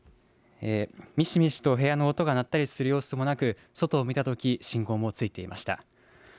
みしみしと部屋の音が鳴ったりする様子もなく、外を見たとき信号もついていました。